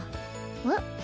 えっ？